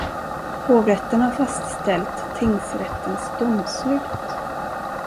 Hovrätten har fastställt tingsrättens domslut.